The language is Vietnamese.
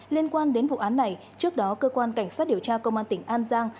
liên quan đến vụ án này trước đó cơ quan cảnh sát điều tra công an tỉnh an giang